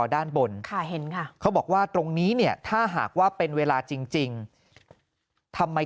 ด้านบนเขาบอกว่าตรงนี้เนี่ยถ้าหากว่าเป็นเวลาจริงทำไม